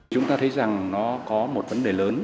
chúng ta thấy rằng nó có một vấn đề lớn